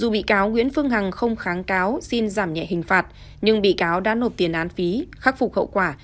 bị cáo xin giảm nhẹ hình phạt nhưng bị cáo đã nộp tiền án phí khắc phục hậu quả